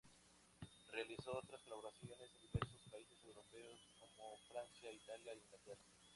Realizó otras colaboraciones en diversos países europeos, como Francia, Italia e Inglaterra.